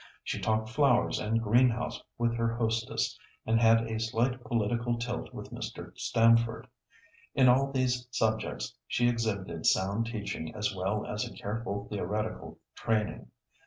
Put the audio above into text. She talked flowers and greenhouse with her hostess, and had a slight political tilt with Mr. Stamford. In all these subjects she exhibited sound teaching as well as a careful theoretical training.